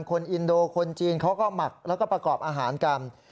อินโดคนจีนเขาก็หมักแล้วก็ประกอบอาหารกัน